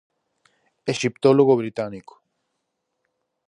Exiptólogo británico.